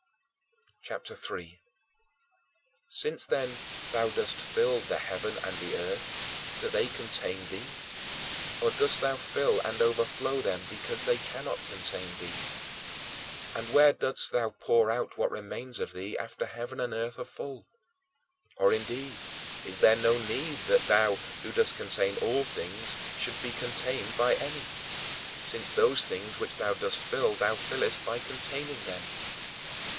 CHAPTER III 3. Since, then, thou dost fill the heaven and earth, do they contain thee? Or, dost thou fill and overflow them, because they cannot contain thee? And where dost thou pour out what remains of thee after heaven and earth are full? Or, indeed, is there no need that thou, who dost contain all things, shouldst be contained by any, since those things which thou dost fill thou fillest by containing them?